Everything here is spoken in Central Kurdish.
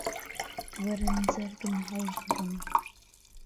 وەرن جەرگم هەڵدڕن